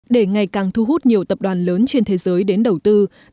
để ngày càng thu hút nhiều tập đoàn lớn trên thế giới đến đồng nai